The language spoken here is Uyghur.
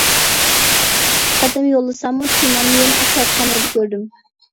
ئىككى قېتىم يوللىساممۇ تېمامنى يەنە ئەخلەتخانىدا كۆردۈم.